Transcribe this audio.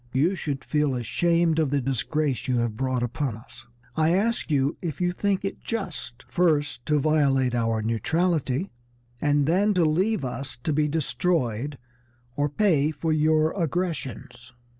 You should feel ashamed of the disgrace you have brought upon us. I ask you if you think it just, first to violate our neutrality and then to leave us to be destroyed or pay for your aggressions?"